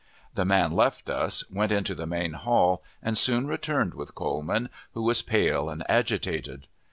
The man left us, went into the main hall, and soon returned with Coleman, who was pale and agitated.